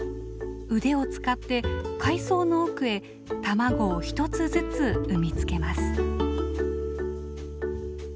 腕を使って海藻の奥へ卵を１つずつ産み付けます。